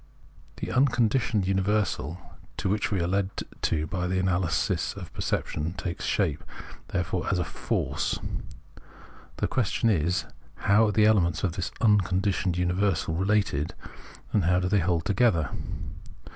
The ''' unconditioned universal '' to which we are led by tlie analysis of perception takes shape, therefore, as " force." The question is. How are the elements of this "unconditioned universal" related, and how do they hold together?